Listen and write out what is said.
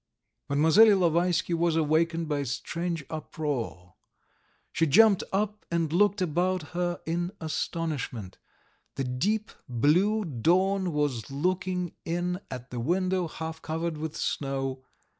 Mlle. Ilovaisky was awakened by a strange uproar. She jumped up and looked about her in astonishment. The deep blue dawn was looking in at the window half covered with snow.